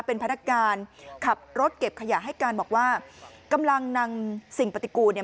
เป็นพนักการขับรถเก็บขยะให้การบอกว่ากำลังนำสิ่งปฏิกูลเนี่ย